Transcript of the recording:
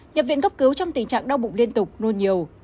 nhập viện cấp cứu trong tình trạng đau bụng liên tục nôn nhiều